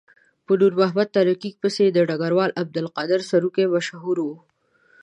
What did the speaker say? په نور محمد تره کي پسې یې د ډګروال عبدالقادر سروکي مشهور وو.